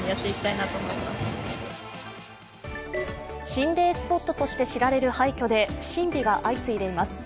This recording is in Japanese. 心霊スポットとして知られる廃虚で不審火が相次いでいます。